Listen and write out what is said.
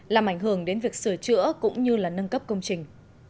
làm ảnh hưởng đến việc sửa chữa cũng như là nâng cấp công trình